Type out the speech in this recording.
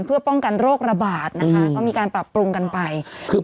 เพื่อป้องกันโรคระบาดนะคะก็มีการปรับปรุงกันไปคือ